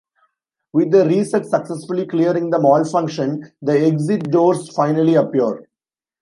With the reset successfully clearing the malfunction, the exit doors finally appear.